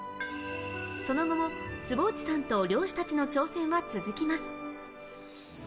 その後も坪内さんと漁師たちの挑戦は続きます。